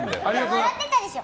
笑ってたでしょ？